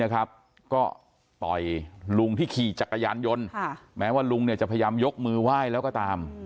ก็ต่อยลุงที่ขี่จักรยานยนต์แม้ว่าลุงจะพยายามยกมือไหว้แล้วก็ตาม